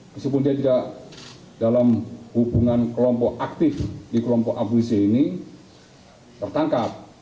meskipun dia tidak dalam hubungan kelompok aktif di kelompok abuisi ini tertangkap